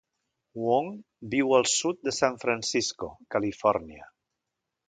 Wong viu al sud de San Francisco, Califòrnia.